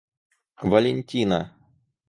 Валентина